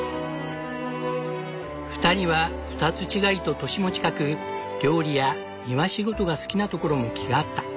２人は２つ違いと年も近く料理や庭仕事が好きなところも気が合った。